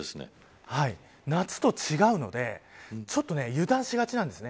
夏と違うのでちょっと油断しがちなんです。